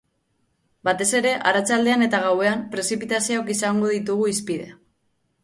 Batez ere arratsaldean eta gauean, prezipitazioak izango ditugu hizpide.